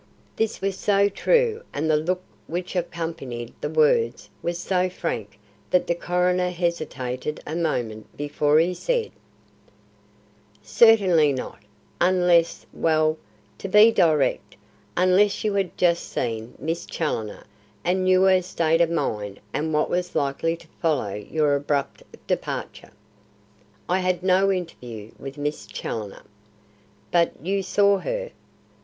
This was so true and the look which accompanied the words was so frank that the coroner hesitated a moment before he said: "Certainly not, unless well, to be direct, unless you had just seen Miss Challoner and knew her state of mind and what was likely to follow your abrupt departure." "I had no interview with Miss Challoner." "But you saw her?